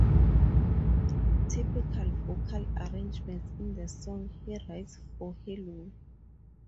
Typical vocal arrangements in the songs he writes for Hello!